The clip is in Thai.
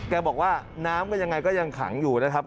บอกว่าน้ำก็ยังไงก็ยังขังอยู่นะครับ